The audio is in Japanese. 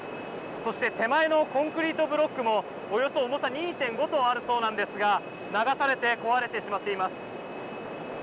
そして手前のコンクリートブロックも重さおよそ２．５トンあるそうなんですが流されて壊れてしまっています。